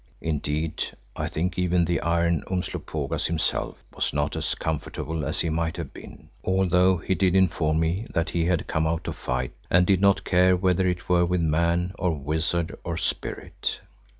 Indeed, I think even the iron Umslopogaas himself was not as comfortable as he might have been, although he did inform me that he had come out to fight and did not care whether it were with man, or wizard, or spirit.